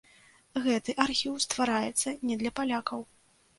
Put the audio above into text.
Гэты архіў ствараецца не для палякаў.